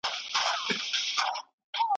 موږ له يونليکونو څخه ګټه اخلو.